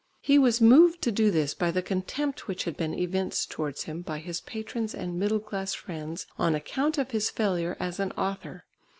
He was moved to do this by the contempt which had been evinced towards him by his patrons and middle class friends on account of his failure as an author.